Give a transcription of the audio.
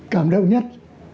cảm động nhất